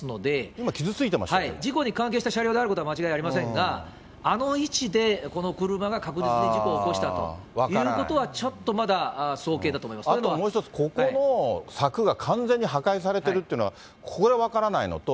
今、事故に関係した車両であることは間違いありませんが、あの位置でこの車がして事故を起こしたというにはちょっとまだあともう一つ、ここの柵が完全に破壊されているというのは、これ、分からないのと。